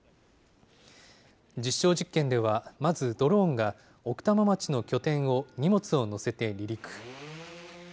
実証実験では、まずドローンが奥多摩町の拠点を荷物を載せて離陸。